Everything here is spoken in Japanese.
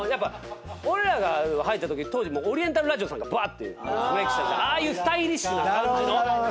俺らが入ったとき当時オリエンタルラジオさんがばってブレークしたんでああいうスタイリッシュな感じの。